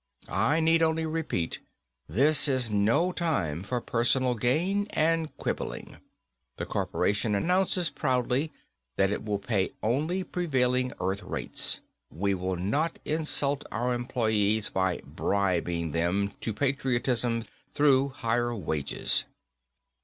I need only repeat, this is no time for personal gain and quibbling. The corporation announces proudly that it will pay only prevailing Earth rates. We will not insult our employees by "bribing" them to patriotism through higher wages.